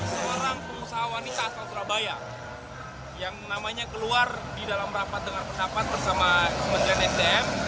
seorang pengusaha wanita asal surabaya yang namanya keluar di dalam rapat dengan pendapat bersama kementerian sdm